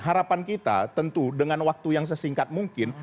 harapan kita tentu dengan waktu yang sesingkat mungkin